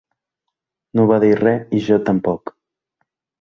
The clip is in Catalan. No va dir res i jo tampoc.